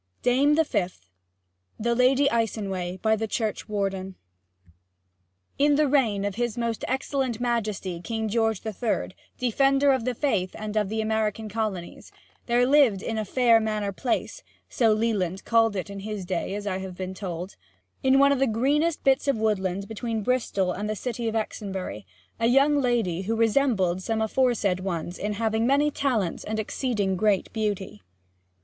DAME THE FIFTH THE LADY ICENWAY By the Churchwarden In the reign of His Most Excellent Majesty King George the Third, Defender of the Faith and of the American Colonies, there lived in 'a faire maner place' (so Leland called it in his day, as I have been told), in one o' the greenest bits of woodland between Bristol and the city of Exonbury, a young lady who resembled some aforesaid ones in having many talents and exceeding great beauty.